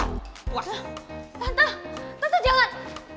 tante tante jangan